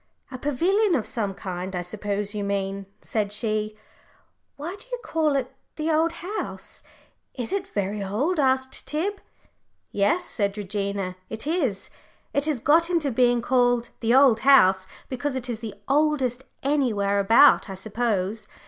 "A pavilion of some kind, I suppose you mean," said she. "Why do you call it the old house? Is it very old?" asked Tib. "Yes," said Regina, "it is. It has got into being called the old house because it is the oldest anywhere about, I suppose.